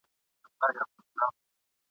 په قدم قدم روان پر لور د دام سو !.